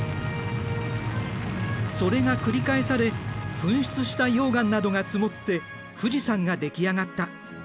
それが繰り返され噴出した溶岩などが積もって富士山ができ上がった。